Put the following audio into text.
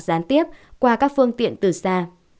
gián tiếp qua các phương tiện từ xa